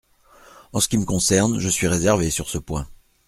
En ce qui me concerne, je suis réservé sur ce point.